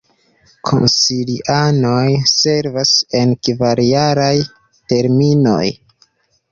Konsilianoj servas en kvar-jaraj terminoj.